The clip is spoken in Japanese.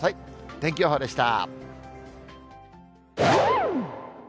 天気予報でした。